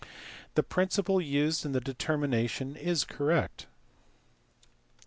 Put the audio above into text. The principle used in the determination is correct.